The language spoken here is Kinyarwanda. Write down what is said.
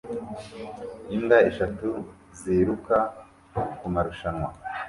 Imbwa eshatu ziruka kumarushanwa